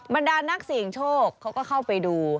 บรรดานักเสี่ยงโชคเขาก็เข้าไปดู